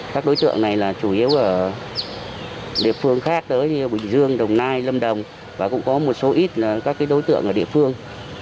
các đối tượng này là chủ yếu ở địa phương khác tới như bình dương đồng nai lâm đồng và cũng có một số ít các đối tượng ở địa phương